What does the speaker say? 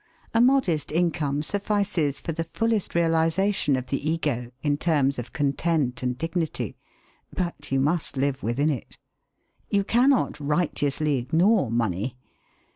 A modest income suffices for the fullest realisation of the Ego in terms of content and dignity; but you must live within it. You cannot righteously ignore money.